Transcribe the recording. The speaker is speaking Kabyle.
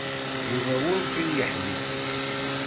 Yuba werǧin yeḥbis.